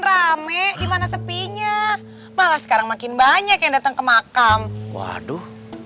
rame dimana sepinya malah sekarang makin banyak yang datang ke makam waduh